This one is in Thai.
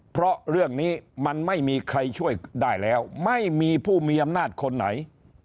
เพราะเรื่องนี้มันไม่มีใครช่วยได้แล้วไม่มีผู้มีอำนาจคนไหน